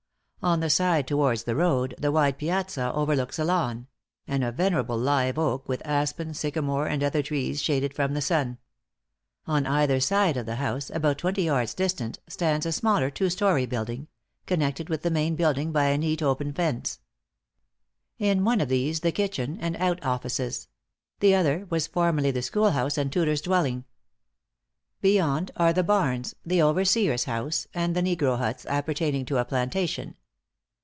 On the side towards the road, the wide piazza overlooks a lawn; and a venerable live oak, with aspen, sycamore, and other trees, shade it from the sun. On either side of the house, about twenty yards distant, stands a smaller two story building, connected with the main building by a neat open fence. In one of these is the kitchen and out offices; the other was formerly the school house and tutor's dwelling. Beyond are the barns, the overseer's house, and the negro huts appertaining to a plantation.